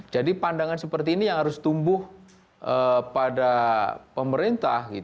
jadi pandangan seperti ini yang harus tumbuh pada pemerintah